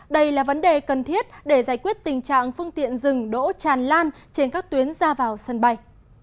đây là vấn đề cần thiết để giải quyết tình trạng phương tiện dừng đỗ tràn lan trên các tuyến ra vào sân bay